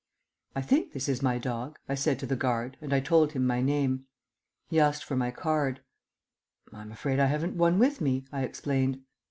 "I think this is my dog," I said to the guard, and I told him my name. He asked for my card. "I'm afraid I haven't one with me," I explained.